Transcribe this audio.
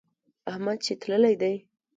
احمد چې تللی دی.